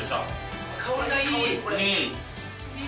香りがいい。